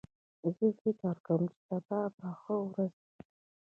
زه فکر کوم چې سبا به ښه ورځ وي